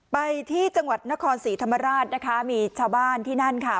ไปที่จังหวัดนครศรีธรรมราชนะคะมีชาวบ้านที่นั่นค่ะ